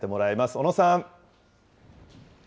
小野さん。